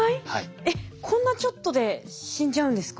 えっこんなちょっとで死んじゃうんですか？